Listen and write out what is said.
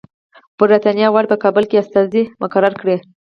برټانیه غواړي په کابل استازی مقرر کړي.